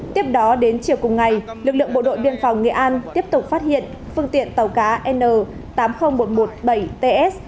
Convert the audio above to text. tiếp đó đến chiều cùng ngày lực lượng bộ đội biên phòng nghệ an tiếp tục phát hiện phương tiện tàu cá n tám mươi nghìn một trăm một mươi bảy ts